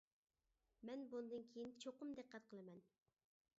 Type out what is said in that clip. مەن بۇندىن كىيىن چوقۇم دىققەت قىلىمەن.